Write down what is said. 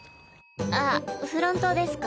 あっフロントですか？